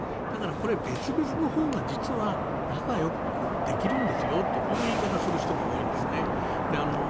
だから別々のほうが実は仲よくできるんですよという言い方をする人が多いんですね。